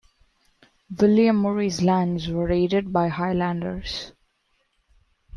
William Murray's lands were raided by Highlanders.